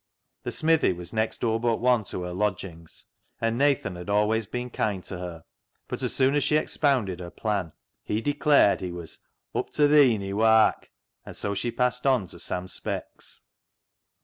The smithy was next door but one to her lodgings, and Nathan had always been kind to her, but as soon as she expounded her plan he declared he was " up to th' een i' wark "; and so she passed on to Sam Speck's.